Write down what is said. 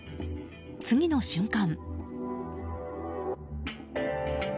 次の瞬間。